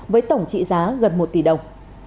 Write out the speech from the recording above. với tổng trị giá gần một tỷ đồng